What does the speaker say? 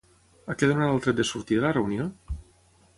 A què donarà el tret de sortida la reunió?